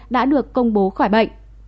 đã được công bố khỏi bệnh